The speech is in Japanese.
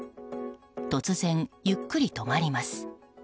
突然、ゆっくり止まります。